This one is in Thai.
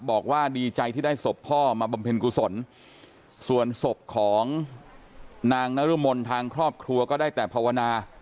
บอกว่าดีใจที่ได้ศพพ่อมาบำเพ็ญกุศลส่วนศพของนางนรมนทางครอบครัวก็ได้แต่ภาวนา